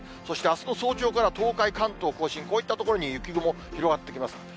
そしてあすの早朝から東海、関東甲信、こういった所に雪雲、広がってきます。